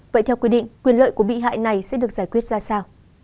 vậy theo quy định quyền lợi của bị hại này sẽ được giải quyết ra sao